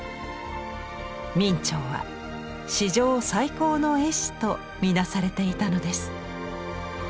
明兆は史上最高の絵師とみなされていたのです。